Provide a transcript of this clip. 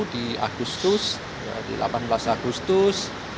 di agustus di delapan belas agustus